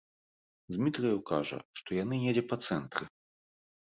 Дзмітрыеў кажа, што яны недзе па цэнтры.